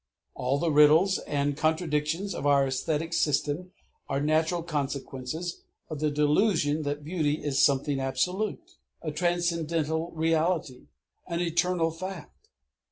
_ All the riddles and contradictions of our æsthetic systems are natural consequences of the delusion that beauty is a something absolute, a transcendental reality, an eternal fact.